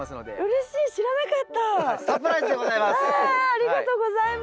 ありがとうございます。